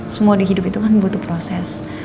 semua di hidup itu kan butuh proses